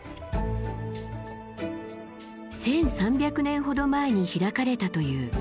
１，３００年ほど前に開かれたという修験の山。